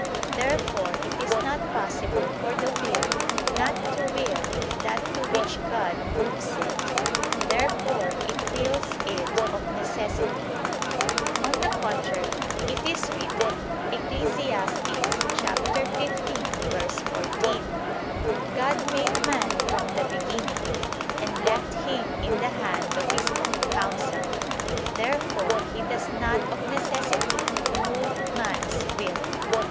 Therefore it is not possible for the will not to will that to which God moves it. Therefore it wills it of necessity. On the contrary, It is written (Ecclus. 15:14): "God made man from the beginning, and left him in the hand of his own counsel." Therefore He does not of necessity move man's will.